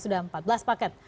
sudah empat belas paket